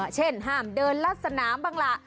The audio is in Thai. เช่นห้ามเดินลัดสนามบ้างล่ะ